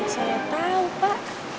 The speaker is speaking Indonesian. saya tau pak